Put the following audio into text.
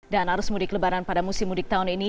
arus mudik lebaran pada musim mudik tahun ini